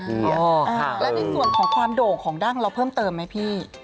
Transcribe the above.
แล้วในส่วนของความโด่งของดั้งเราเพิ่มเติมไหมพี่